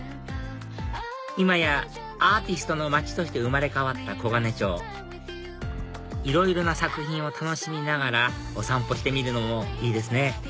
今やアーティストの街として生まれ変わった黄金町いろいろな作品を楽しみながらお散歩してみるのもいいですね